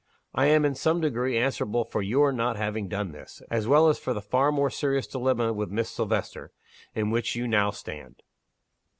I am, in some degree, answerable for your not having done this as well as for the far more serious dilemma with Miss Silvester in which you now stand.